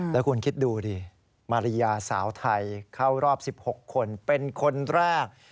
แล้วคุณคิดดูดิมาริยาสาวไทยเข้ารอบ๑๖คนเป็นคนแรก